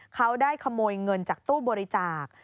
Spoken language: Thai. เขาได้ขโมยเงินจากตู้บริจาค